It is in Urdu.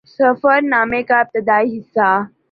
سفر نامے کا ابتدائی حصہ